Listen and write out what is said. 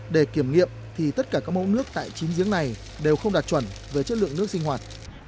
để kiểm nghiệm thì tất cả các mẫu nước tại chín giếng này đều không đạt chuẩn về chất lượng nước sinh hoạt